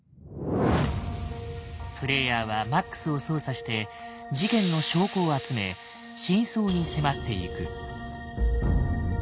プレイヤーはマックスを操作して事件の証拠を集め真相に迫っていく。